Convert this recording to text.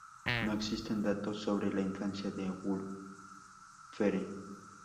No existen datos sobre la infancia de Wulfhere.